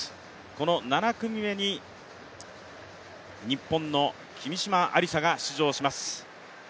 この７組目に日本の君嶋愛梨沙が出場します。